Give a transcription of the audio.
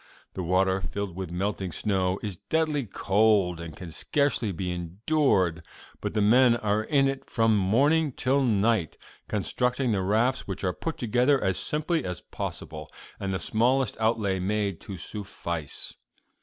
The water, filled with melting snow, is deadly cold and can scarcely be endured, but the men are in it from morning till night constructing the rafts, which are put together as simply as possible, and the smallest outlay made to suffice.